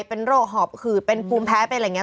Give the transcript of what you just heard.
เป็นโรคหอบขืดเป็นภูมิแพ้เป็นอะไรอย่างนี้